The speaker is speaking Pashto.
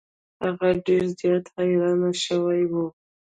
هغه ډیر زیات حیران شوی و.